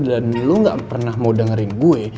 dan lo gak pernah mau dengerin gue